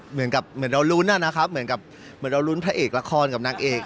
เหมือนเราลุ้นนะครับเหมือนเราลุ้นพระเอกละครกับนางเอก